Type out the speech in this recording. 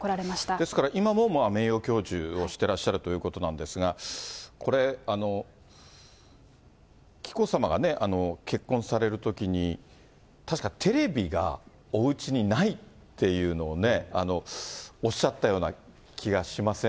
ですから、今も名誉教授をしてらっしゃるということなんですが、紀子さまが結婚されるときに、確かテレビがおうちにないっていうのをね、おっしゃったような気がしません？